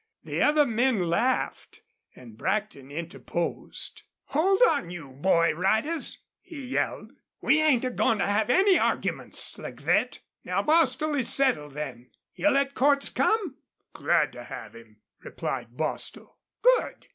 The other men laughed, and Brackton interposed: "Hold on, you boy riders!" he yelled. "We ain't a goin' to have any arguments like thet.... Now, Bostil, it's settled, then? You'll let Cordts come?" "Glad to have him," replied Bostil. "Good.